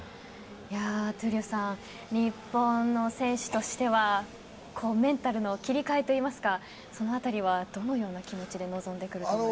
闘莉王さん日本の選手としてはメンタルの切り替えといいますかそのあたりはどのような気持ちで臨んでくると思いますか。